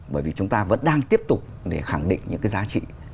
bởi vì chúng ta vẫn đang tiếp tục để khẳng định những cái giá trị